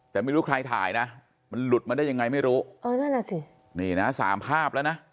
แต่ไม่รู้ใครถ่ายนะมันหลุดมาได้ยังไงไม่รู้เออนั่นอ่ะสินี่นะสามภาพแล้วนะ